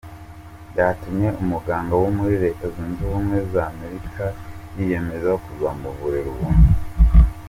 Byatumye umuganga wo muri Leta Zunze Ubumwe z’Amerika yiyemeza kuzamuvurira ubuntu.